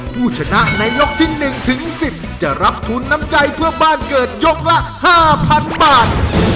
ผู้ชนะในยกที่๑ถึง๑๐จะรับทุนน้ำใจเพื่อบ้านเกิดยกละ๕๐๐๐บาท